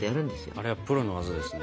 あれはプロの技ですね。